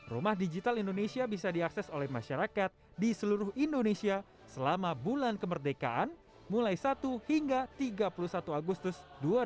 rumah digital indonesia bisa diakses oleh masyarakat di seluruh indonesia selama bulan kemerdekaan mulai satu hingga tiga puluh satu agustus dua ribu dua puluh